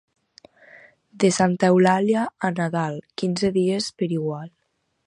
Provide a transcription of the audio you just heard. De Santa Eulàlia a Nadal, quinze dies per igual.